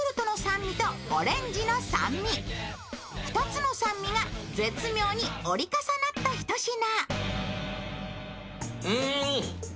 ２つの酸味が絶妙に折り重なったひと品。